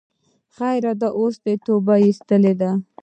خیر ده اوس یی توبه ویستلی ده